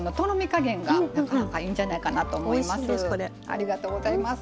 ありがとうございます。